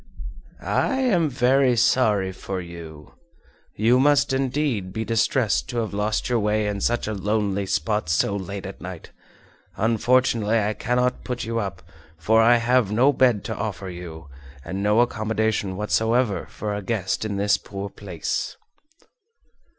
"I am very sorry for you. You must indeed be distressed to have lost your way in such a lonely spot so late at night. Unfortunately I cannot put you up, for I have no bed to offer you, and no accommodation whatsoever for a guest in this poor place!"